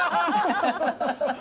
ハハハハ！